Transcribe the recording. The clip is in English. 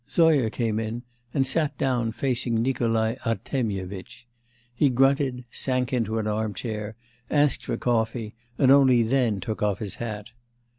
Zoya came in and sat down facing Nikolai Artemyevitch. He grunted, sank into an armchair, asked for coffee, and only then took off his hat.